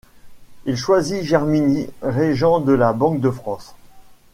Il choisit Germiny, régent de la Banque de France.